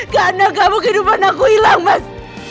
karena kamu kehidupan aku hilang mas